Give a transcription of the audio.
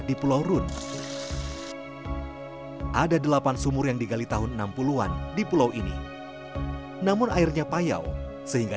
di pulau rune ada delapan sumur yang digali tahun enam puluh an di pulau ini namun airnya payau sehingga